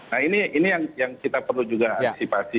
nah ini yang kita perlu juga antisipasi